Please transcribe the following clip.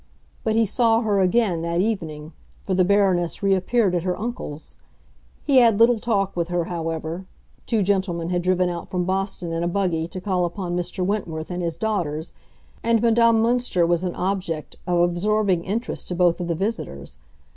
But he saw her again that evening, for the Baroness reappeared at her uncle's. He had little talk with her, however; two gentlemen had driven out from Boston, in a buggy, to call upon Mr. Wentworth and his daughters, and Madame Münster was an object of absorbing interest to both of the visitors.